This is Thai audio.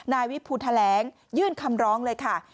นายวิภูแถลงยื่นคำร้องเลยค่ะ